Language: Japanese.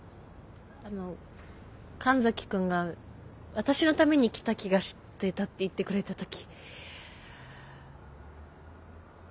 あの神崎君が「私のために来た気がしてた」って言ってくれた時。